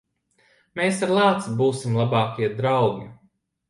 Mēs ar lāci būsim labākie draugi.